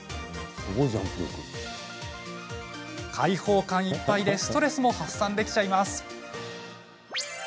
解放感いっぱいでストレスも発散できちゃいます。